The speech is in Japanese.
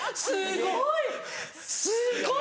すごい！